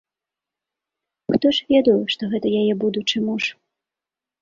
Хто ж ведаў, што гэта яе будучы муж?